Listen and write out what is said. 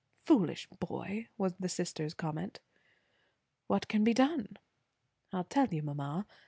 "Foolish boy!" was the sister's comment. "What can be done?" "I'll tell you, mamma.